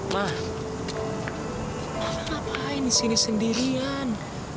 mah ngapain di sini sendirian